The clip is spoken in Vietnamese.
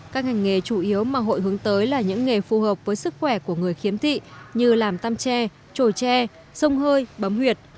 các ngành nghề chủ yếu mà hội hướng tới là những nghề phù hợp với sức khỏe của người khiếm thị như làm tăm tre trồi tre sông hơi bấm huyệt